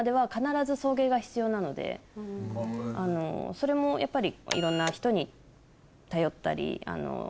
それもやっぱり。